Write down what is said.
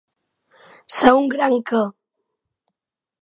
Ser un gran què.